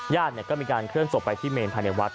ญาติก็มีการเคลื่อนศพไปที่เมนภายในวัด